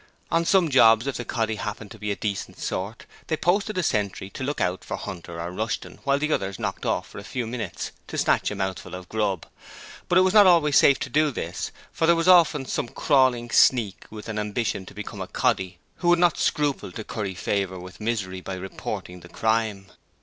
On some jobs, if the 'coddy' happened to be a decent sort, they posted a sentry to look out for Hunter or Rushton while the others knocked off for a few minutes to snatch a mouthful of grub; but it was not safe always to do this, for there was often some crawling sneak with an ambition to become a 'coddy' who would not scruple to curry favour with Misery by reporting the crime.